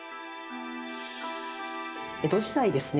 江戸時代ですね